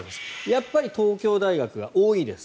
やっぱり東京大学が多いです。